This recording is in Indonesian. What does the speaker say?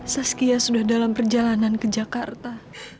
saskia sudah dalam perjalanan ke jakarta